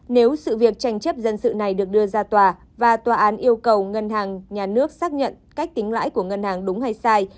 nếu sự việc tranh chấp dân sự này được đưa ra tòa và tòa án yêu cầu ngân hàng nhà nước xác nhận cách tính lãi của ngân hàng đúng hay sai